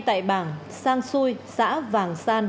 tại bảng sang sui xã vàng san